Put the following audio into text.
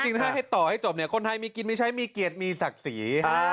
จริงถ้าให้ต่อให้จบคนไทยมีกินมีใช้มีเกียรติมีศักดิ์ศรี